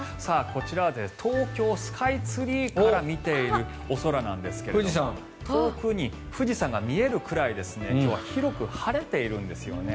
こちらは東京スカイツリーから見ているお空なんですが遠くに富士山が見えるくらい今日は広く晴れているんですね。